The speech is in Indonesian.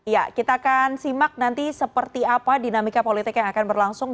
ya kita akan simak nanti seperti apa dinamika politik yang akan berlangsung